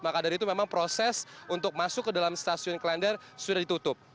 maka dari itu memang proses untuk masuk ke dalam stasiun klender sudah ditutup